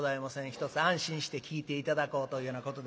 ひとつ安心して聴いて頂こうというようなことでございまして。